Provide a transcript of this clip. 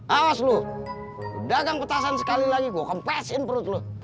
awas lu dagang petasan sekali lagi gue kempesin perut lo